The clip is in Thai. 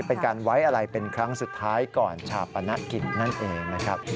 เป็นการไว้อะไรเป็นครั้งสุดท้ายก่อนชาปนกิจนั่นเองนะครับ